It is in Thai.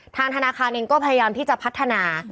ทางธนาคารเองก็พยายามที่จะพัฒนา